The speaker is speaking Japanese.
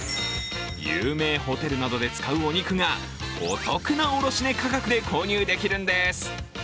有名ホテルなどで使うお肉がお得な卸値価格で購入できるんです。